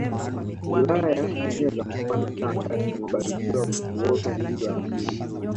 wilaya ya muheza mkoani tanga imebarikiwa uoto mwingi wa asili